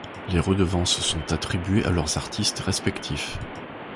Les redevances sont attribués à leurs artistes respectifs.